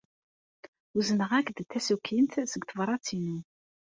Uzneɣ-ak-d tasukint seg tebṛat-inu.